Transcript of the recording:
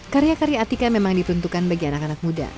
karya karya atika memang ditentukan bagi anak anak muda